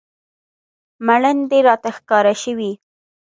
ملنډې راته ښکاره شوې.